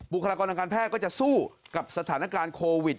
คลากรทางการแพทย์ก็จะสู้กับสถานการณ์โควิด